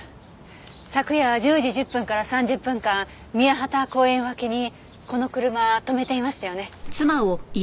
昨夜１０時１０分から３０分間宮畠公園脇にこの車止めていましたよね？